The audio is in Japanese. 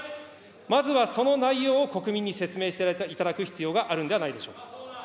まずはその内容を国民に説明していただく必要があるんではないでしょうか。